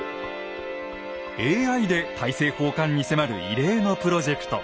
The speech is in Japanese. ＡＩで大政奉還に迫る異例のプロジェクト。